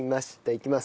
いきます。